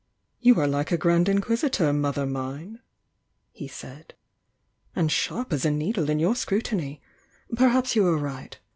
"You are like a Grand Inquisitor, mother mine!" ne said. And sharp as a needle in vour scrutiny! Perhaps you are right!